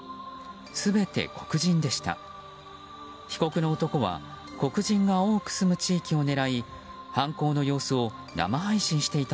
全て黒人でした。